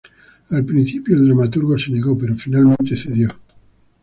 Al principio, el dramaturgo se negó, pero finalmente cedió.